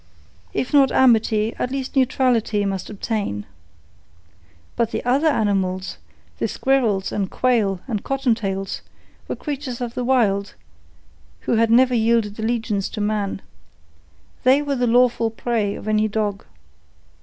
If not amity, at least neutrality must obtain. But the other animals—the squirrels, and quail, and cottontails, were creatures of the Wild who had never yielded allegiance to man. They were the lawful prey of any dog.